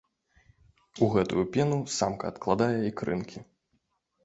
У гэтую пену самка адкладае ікрынкі.